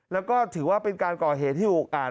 แล้วก็ถือว่าเป็นการก่อเหตุที่อุกอาจ